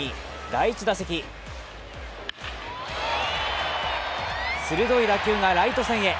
第１打席、鋭い打球がライト線へ。